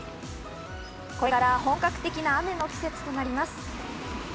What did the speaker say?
これから本格的な雨の季節となります。